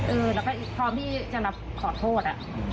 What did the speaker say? เออเราก็พร้อมที่จะนำขอโทษ